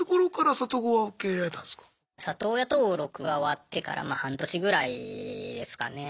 里親登録が終わってからま半年ぐらいですかね。